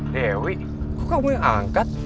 dewi kok kamu yang angkat